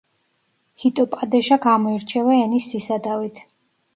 ჰიტოპადეშა გამოირჩევა ენის სისადავით.